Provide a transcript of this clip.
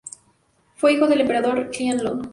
Fue hijo del emperador Qianlong.